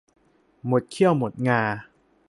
หมดเขี้ยวหมดงา